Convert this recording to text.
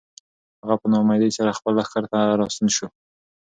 هغه په ناامیدۍ سره خپل لښکر ته راستون شو.